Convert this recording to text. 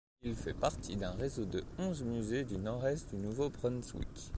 Il fait partie d'un réseau de onze musées du Nord-Est du Nouveau-Brunswick.